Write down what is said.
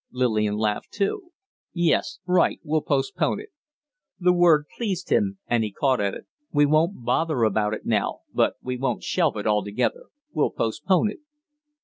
Lillian laughed, too. "Yes. Right! We'll postpone it." The word pleased him and he caught at it. "We won't bother about it now, but we won't shelve it altogether. We'll postpone it."